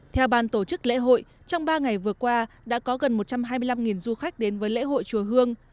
theo bàn tổ chức lễ hội trong ba ngày vừa qua đã có gần một trăm hai mươi năm du khách đến với lễ hội chùa hương